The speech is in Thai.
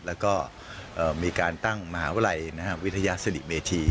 แล้วก็มีการตั้งมหาวิทยาลัยวิทยาศิริเมธี